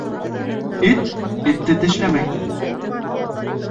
Эт этте тешләмәй.